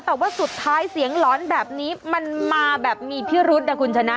แต่ว่าสุดท้ายเสียงหลอนแบบนี้มันมาแบบมีพิรุษนะคุณชนะ